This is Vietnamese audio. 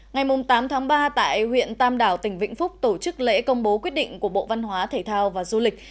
ngày tám tháng ba tại huyện tam đảo tỉnh vĩnh phúc tổ chức lễ công bố quyết định của bộ văn hóa thể thao và du lịch